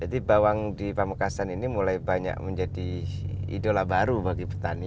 jadi bawang di pamukasan ini mulai banyak menjadi idola baru bagi petani